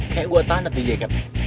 kayak gue tanda tuh jacket